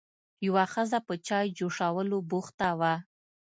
یوه ښځه په چای جوشولو بوخته وه.